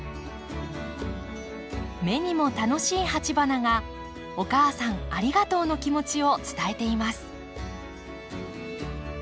目にも楽しい鉢花が「お母さんありがとう」の気持ちを伝えています。